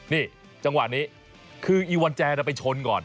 นี่จังหวะนี้คืออีวอนแอร์ไปชนก่อน